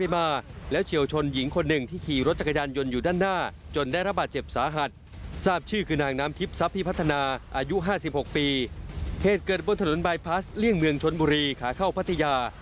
เมืองชนบุรีขาเข้าพัทยา